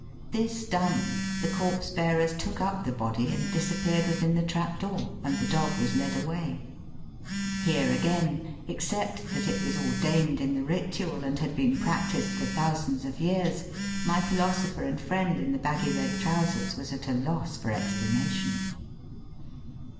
This done, the corpse bearers took up the body and dis appeared within the trap door and the dog was led away. Here again, except that it was ordained in the ritual and had been practised for thousands of years, my philosopher and friend in the baggy red trousers was at a loss for explanation.